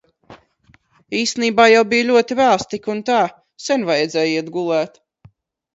Īstenībā jau bija ļoti vēls tik un tā. Sen vajadzēja iet gulēt.